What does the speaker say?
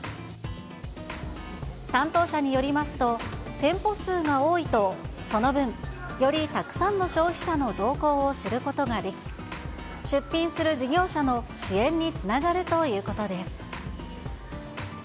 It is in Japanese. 担当者によりますと、店舗数が多いとその分、よりたくさんの消費者の動向を知ることができ、出品する事業者の支援につながるということです。